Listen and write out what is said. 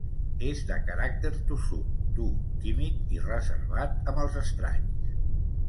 És de caràcter tossut, dur, tímid i reservat amb els estranys.